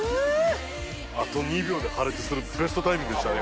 あと２秒で破裂するベストタイミングでしたね。